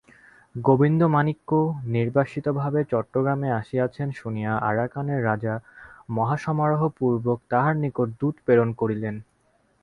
গোবিন্দমাণিক্য নির্বাসিতভাবে চট্টগ্রামে আসিয়াছেন শুনিয়া আরাকানের রাজা মহাসমারোহপূর্বক তাঁহার নিকট দূত প্রেরণ করিলেন।